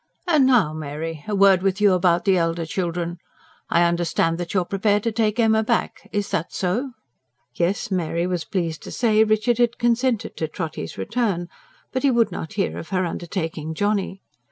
"And now, Mary, a word with you about the elder children. I understand that you are prepared to take Emma back is that so?" Yes, Mary was pleased to say Richard had consented to Trotty's return; but he would not hear of her undertaking Johnny.